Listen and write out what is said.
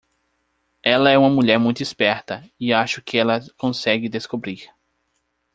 Ela é uma mulher muito esperta, e acho que ela consegue descobrir.